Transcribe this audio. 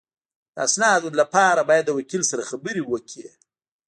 د اسنادو لپاره باید د وکیل سره خبرې وکړې